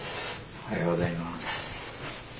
おはようございます。